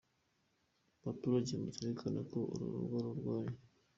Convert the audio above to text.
Baturage muzirikane ko uru rugo ari urwanyu.